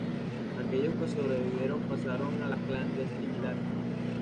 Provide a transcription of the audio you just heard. Aquellos que sobrevivieron pasaron a la clandestinidad.